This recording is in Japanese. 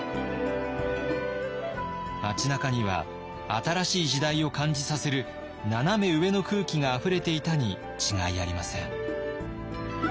町なかには新しい時代を感じさせるナナメ上の空気があふれていたに違いありません。